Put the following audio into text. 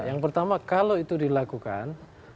yang pertama kalau itu dilakukan